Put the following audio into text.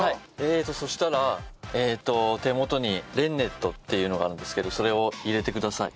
そしたらえっと手元にレンネットっていうのがあるんですけどそれを入れてください。